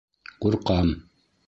Ҡурҡам.